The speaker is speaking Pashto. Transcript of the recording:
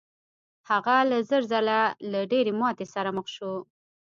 هغه تر زر ځله له ډېرې ماتې سره مخ شو.